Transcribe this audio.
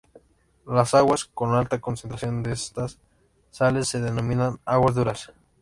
Las aguas con alta concentración de estas sales se denominan "aguas duras".